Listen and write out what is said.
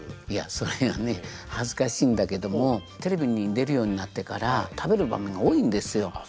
いやそれがね恥ずかしいんだけどもテレビに出るようになってから食べる番組が多いんですよ。